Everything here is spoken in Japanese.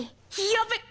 やべっ！